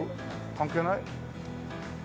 関係ない？